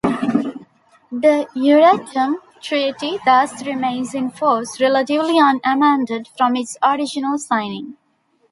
The Euratom treaty thus remains in force relatively unamended from its original signing.